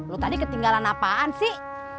lo tadi ketinggalan apaan sih